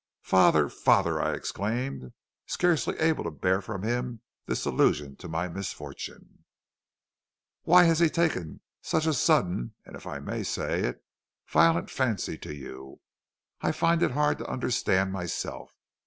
"'Father, father!' I exclaimed, scarcely able to bear from him this allusion to my misfortune. "'Why he has taken such a sudden, and, if I may say it, violent fancy to you, I find it hard to understand myself.